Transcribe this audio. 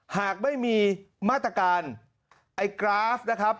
หากไม่มีมาตรการไอ้กราฟนะครับ